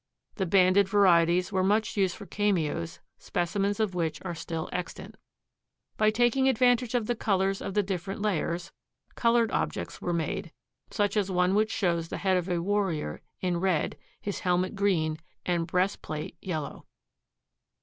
The banded varieties were much used for cameos, specimens of which are still extant. By taking advantage of the colors of the different layers, colored objects were made, such as one which shows the head of a warrior in red, his helmet green and breastplate yellow.